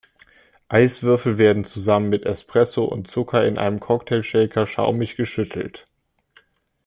Eiswürfel werden zusammen mit Espresso und Zucker in einem Cocktail-Shaker schaumig geschüttelt.